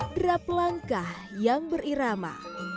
drap langkah yang berirama